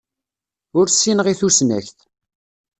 Ur ssineɣ i tusnakt.